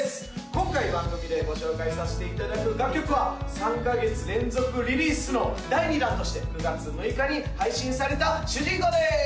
今回番組でご紹介させていただく楽曲は３カ月連続リリースの第２弾として９月６日に配信された「主人公」です！